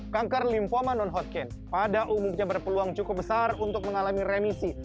kanker lymphoma non hotkin pada umumnya berpeluang cukup besar untuk mengalami remisi